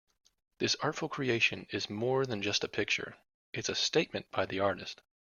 This artful creation is more than just a picture, it's a statement by the artist.